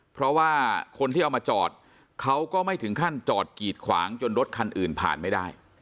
เพราะว่าคนที่เอามาจอดเขาก็ไม่ถึงขั้นจอดกีดขวางจนรถคันอื่นผ่านไม่ได้